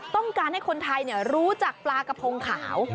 ต้องการให้คนไทยรู้จักปลากระพงขาว